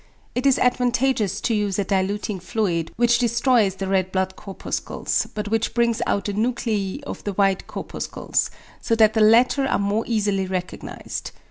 It is advantageous to use a diluting fluid which destroys the red blood corpuscles, but which brings out the nuclei of the white corpuscles, so that the latter are more easily recognised.